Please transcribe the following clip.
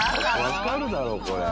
わかるだろうこれ。